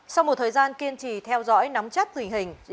sau một thời gian kiên trì theo dõi nắm chắc tình hình